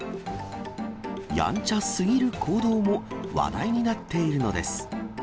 やんちゃすぎる行動も、話題になっているのです。